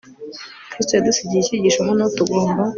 Kristo yadusigiye icyigisho hano tugomba